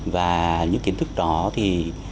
và những kiến thức đó thì